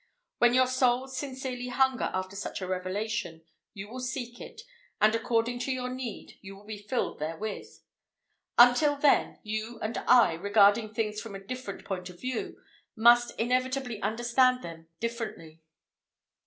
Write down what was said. When your souls sincerely hunger after such a revelation, you will seek for it, and according to your need, you will be filled therewith. Until then, you and I, regarding things from a different point of view, must inevitably understand them differently.